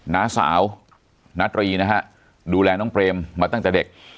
น้าสาวนาตรีนะฮะดูแลน้องเปรมมาตั้งแต่เด็ก